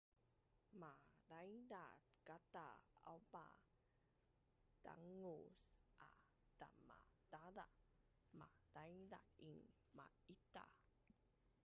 Madaidaz kata, aupa tangus a Tamadaza madaidazin ma-ita